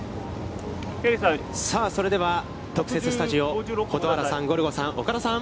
さあ、それでは特設スタジオ、蛍原さん、ゴルゴさん、岡田さん。